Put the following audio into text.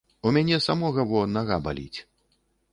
У мяне самога, во, нага баліць.